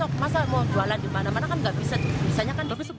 masa mau jualan dimana mana kan nggak bisa